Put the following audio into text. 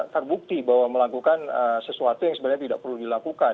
terbukti bahwa melakukan sesuatu yang sebenarnya tidak perlu dilakukan